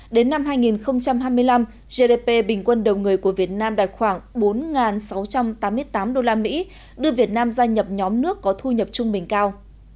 đến năm hai nghìn hai mươi năm gdp bình quân đầu người của việt nam đạt khoảng bốn sáu trăm tám mươi tám usd đưa việt nam gia nhập nhóm nước có thu nhập trung bình cao